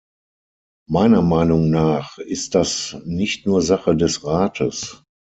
Meiner Meinung nach ist das nicht nur Sache des Rates.